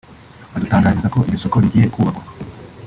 adutangariza ko iryo soko rigiye kubakwa